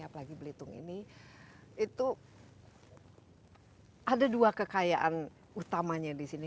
apalagi belitung ini itu ada dua kekayaan utamanya di sini